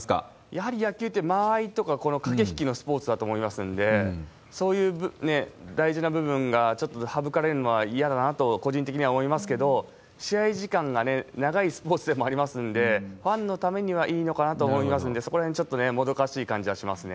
やはり野球って間合いとか、駆け引きのスポーツだと思いますんで、そういう大事な部分がちょっと省かれるのは嫌だなと、個人的には思いますけど、試合時間が長いスポーツでもありますんで、ファンのためにはいいのかなと思いますんで、そこらへん、ちょっともどかしい感じがしますね。